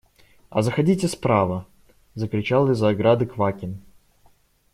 А заходите справа! – закричал из-за ограды Квакин.